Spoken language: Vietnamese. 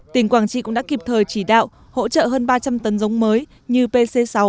tỉnh quảng trị cũng đã kịp thời chỉ đạo hỗ trợ hơn ba trăm linh tấn giống mới như pc sáu